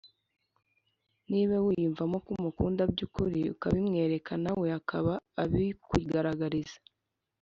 niba wiyumvamo ko umukunda by’ukuri ukabimwereka na we akaba abikugaragariza